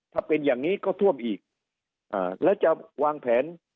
ถ้าเป็นอย่างนี้ก็ท่วมอีกอ่าแล้วจะวางแผน